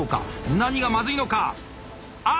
何がまずいのか⁉あっ！